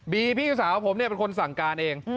พี่สาวผมเป็นคนสั่งการเอง